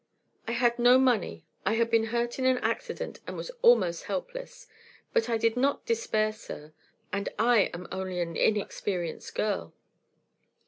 "I had no money. I had been hurt in an accident and was almost helpless. But I did not despair, sir and I am only an inexperienced girl.